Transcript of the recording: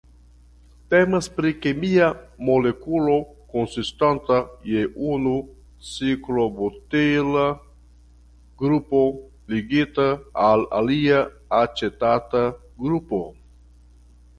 Temas pri kemia molekulo konsistanta je unu ciklobutila grupo ligita al alia acetata grupo.